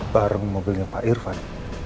bareng mobilnya pak irvan